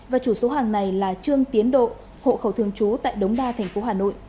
và chủ số hàng này là trương tiến độ hộ khẩu thường trú tại đống đa tp hà nội